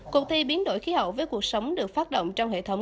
cuộc thi biến đổi khí hậu với cuộc sống được phát động trong hệ thống